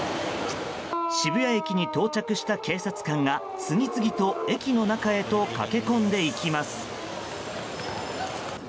渋谷駅に到着した警察官が次々と駅の中へと駆け込んでいきます。